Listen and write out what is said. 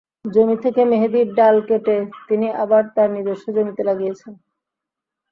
জমি থেকে মেহেদির ডাল কেটে তিনি আবার তাঁর নিজস্ব জমিতে লাগিয়েছেন।